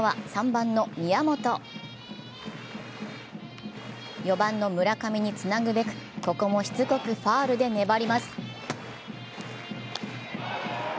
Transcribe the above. ４番の村上につなぐべく、ここもしつこくファウルで粘ります。